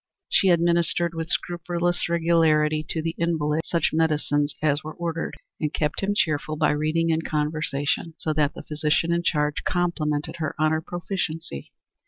She administered with scrupulous regularity to the invalid such medicines as were ordered, and kept him cheerful by reading and conversation, so that the physician in charge complimented her on her proficiency.